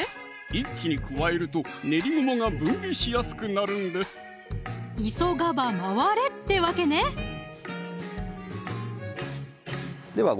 一気に加えると練りごまが分離しやすくなるんです「急がば回れ」ってわけねでは